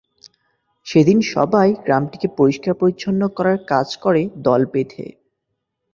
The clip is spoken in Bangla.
সেদিন সবাই গ্রামটিকে পরিষ্কার পরিচ্ছন্ন করার কাজ করে দল বেঁধে।